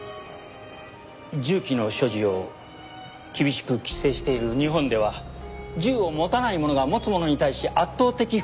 銃器の所持を厳しく規制している日本では銃を持たない者が持つ者に対し圧倒的不利になってしまう。